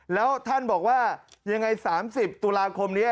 แล้วท่านบอกว่ายังไง๓๐ตุลาคมนี้